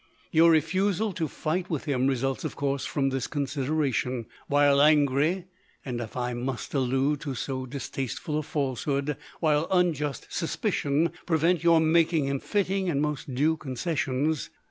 Your refusal to fight with him results of course from this consideration ; while angry, and if I must allude to so distaste ful a falsehood, while unjust suspicion prevent your making him fitting and most due conces sions.